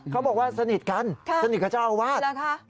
เขาบอกว่าสนิทกันสนิทกับเจ้าอาวาส